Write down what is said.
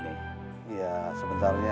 iya sebentar lagi